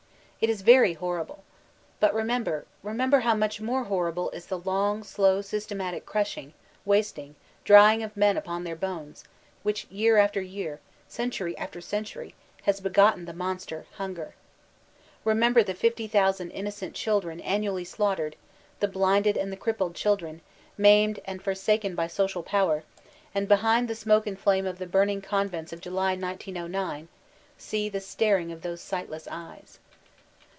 It is very horrible! But remember, — remember how much more horrible is the long, slow systematic crushing, wast ing, drying of men upon their bones, which year after year, century after century, has b^notten the Monster, Hunger. Remember the 50,000 innocent children annually slaughtered, the blinded and the crippled children, maimed and forsaken by social power; and behind the smoke and flame of the burning convents of July, 1909, see the star ing of those sightless eyes.